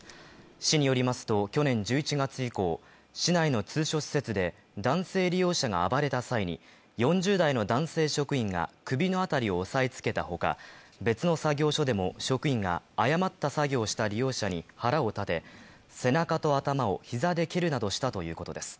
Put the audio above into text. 市によりますと、去年１１月以降、市内の通所施設で男性利用者が暴れた際に４０代の男性職員が、首のあたりを押さえつけたほか、別の作業所でも職員が誤った作業をした利用者に腹を立て、背中と頭を膝で蹴るなどしたということです。